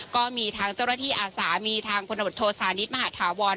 ก็มีทางเจ้าระที่อาสามีทางผลประบวนโทษศาลิทมหาธาวรรณ์